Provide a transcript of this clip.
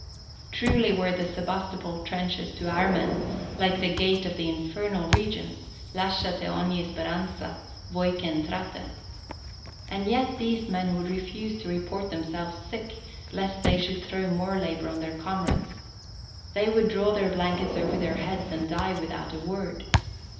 Truly were the Sebastopol trenches, to our men, like the gate of the Infernal Regions Lasciate ogni speranza, voi ch' entrate. And yet these men would refuse to report themselves sick, lest they should throw more labour on their comrades. They would draw their blankets over their heads and die without a word.